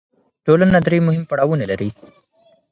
ټولنه درې مهم پړاوونه لري.